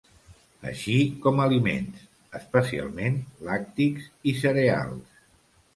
Així com aliments, especialment làctics i cereals.